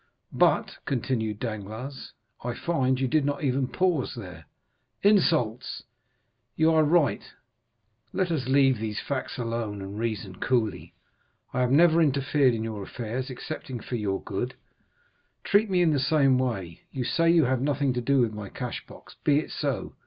"But," continued Danglars, "I find you did not even pause there——" "Insults!" "You are right; let us leave these facts alone, and reason coolly. I have never interfered in your affairs excepting for your good; treat me in the same way. You say you have nothing to do with my cash box. Be it so.